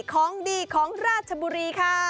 ของดีของราชบุรีค่ะ